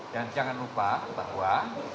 dan jangan lupa bahwa